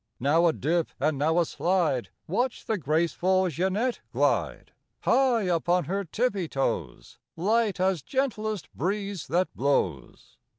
Now a dip and now a slide— Watch the graceful Jeanette glide! High upon her tippy toes, Light as gentlest breeze that blows.